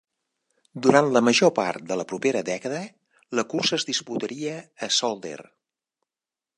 Durant la major part de la propera dècada, la cursa es disputaria a Zolder.